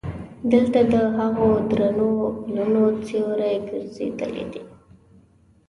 دلته د هغو درنو پلونو سیوري ګرځېدلی دي.